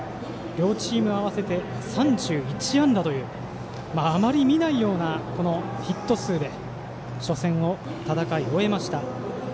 両チーム合わせて３１安打というあまり見ないようなヒット数で初戦を戦い終えました。